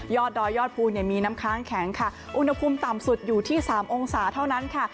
ดอยยอดภูเนี่ยมีน้ำค้างแข็งค่ะอุณหภูมิต่ำสุดอยู่ที่๓องศาเท่านั้นค่ะ